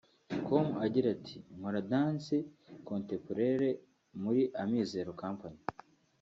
com agira ati “Nkora dance Contemporaire muri Amizero Company